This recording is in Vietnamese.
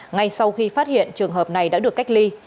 ngay sau khi phát hiện trường hợp này đã được cách ly